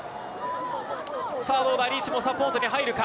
さあ、どうだ、リーチもサポートに入るか。